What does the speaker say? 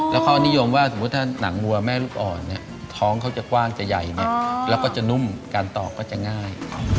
แล้วเขานิยมว่าสมมุติถ้าหนังวัวแม่ลูกอ่อนเนี่ยท้องเขาจะกว้างจะใหญ่แล้วก็จะนุ่มการตอกก็จะง่าย